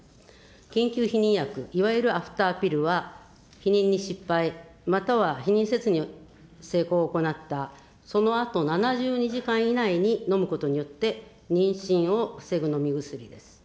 緊急避妊薬、いわゆるアフターピルは、避妊に失敗、または避妊せずに性交を行った、そのあと７２時間以内に飲むことによって、妊娠を防ぐ飲み薬です。